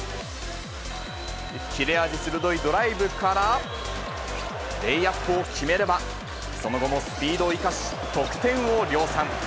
切れ味鋭いドライブから、レイアップを決めれば、その後もスピードを生かし、得点を量産。